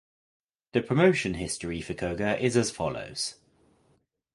The promotion history for Koga is as follows.